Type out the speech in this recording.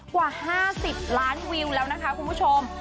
กว่า๕๐ล้านวิวแล้วนะคะคุณผู้ชม